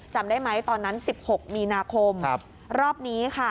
จำได้ไหมตอนนั้น๑๖มีนาคมรอบนี้ค่ะ